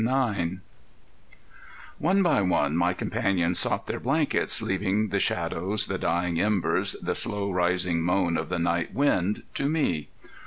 IX One by one my companions sought their blankets, leaving the shadows, the dying embers, the slow rising moan of the night wind to me.